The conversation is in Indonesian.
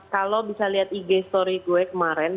kalau bisa lihat ig story gue kemarin